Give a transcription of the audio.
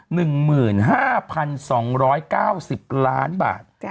๑หมื่น๕พัน๒๙๐ล้านบาท